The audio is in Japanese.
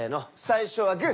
最初はグ！